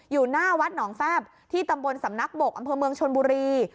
อยู่หน้าวัดหนองแฟบที่ตำบลสำนักบกอำเภอเมืองชนบุรี